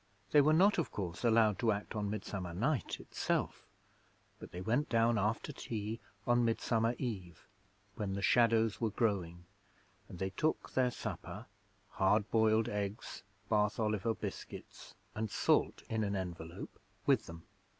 They were not, of course, allowed to act on Midsummer Night itself, but they went down after tea on Midsummer Eve, when the shadows were growing, and they took their supper hard boiled eggs, Bath Oliver biscuits, and salt in an envelope with them.